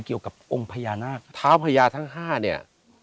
เกี่ยวกับองค์พญานาคเท้าพญาทั้ง๕เนี่ย